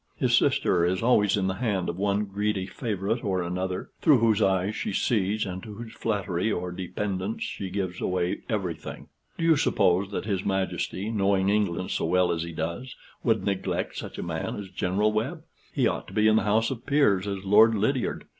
His sister is always in the hand of one greedy favorite or another, through whose eyes she sees, and to whose flattery or dependants she gives away everything. Do you suppose that his Majesty, knowing England so well as he does, would neglect such a man as General Webb? He ought to be in the House of Peers as Lord Lydiard.